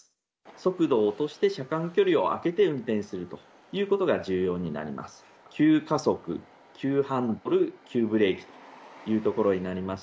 速度を落として車間距離を空けて運転するということが重要になります。